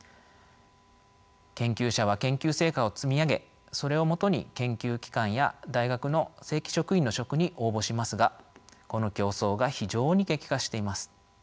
研究者は研究成果を積み上げそれをもとに研究機関や大学の正規職員の職に応募しますがこの競争が非常に激化しています。